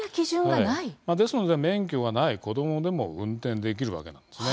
ですので免許がない子どもでも運転できるわけなんです。